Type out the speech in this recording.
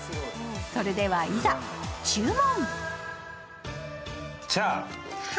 それでは、いざ注文。